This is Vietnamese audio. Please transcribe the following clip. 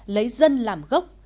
lấy dân làm gốc